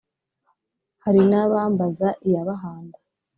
hari n ' abambaza iya bahanda ;